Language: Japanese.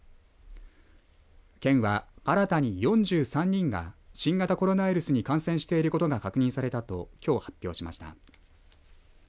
県は、新たに４３人が新型コロナウイルスに感染していることが確認されたときょう発表しました。